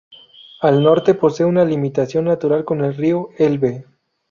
Al norte posee una limitación natural con el río Elbe.